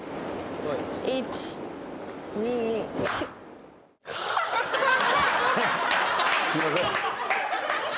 はすいません